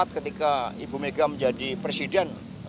dua ribu empat ketika ibu mega menjadi presiden